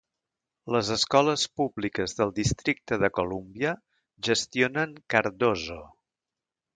Les escoles públiques del Districte de Columbia gestionen Cardozo.